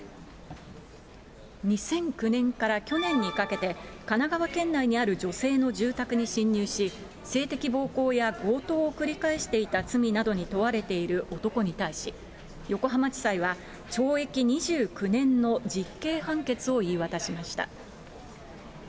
２００９年から去年にかけて、神奈川県内にある女性の住宅に侵入し、性的暴行や強盗を繰り返していた罪などに問われている男に対し、横浜地裁は懲役２９年の実刑判決を言い渡しました。